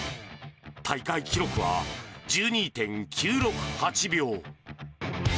大会記録は１２．９６８秒。